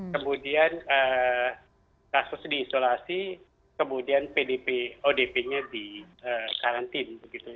kemudian kasus diisolasi kemudian pdp odp nya dikarantin begitu